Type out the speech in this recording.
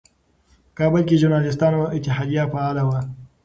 په کابل کې ژورنالېستانو اتحادیه فعاله وه.